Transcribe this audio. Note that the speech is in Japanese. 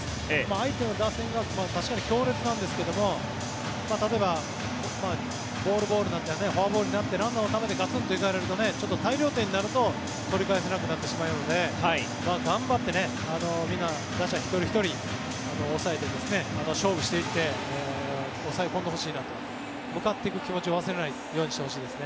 相手の打線は確かに強烈なんですけど例えばボール、ボールになってフォアボールになってランナーをためてガツンといかれると大量点を取られると取り返せなくなってしまうので頑張って、みんな打者一人ひとり抑えて勝負していって抑え込んでほしいなと向かっていく気持ちを忘れないようにしてほしいと思います。